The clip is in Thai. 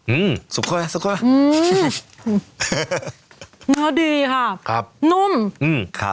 อืมสุกค่อยสุกค่อยอืมเนื้อดีค่ะครับนุ่มอืมครับ